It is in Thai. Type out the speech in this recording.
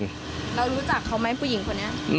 เรารู้จักเขาไหมผู้หญิงคนนี้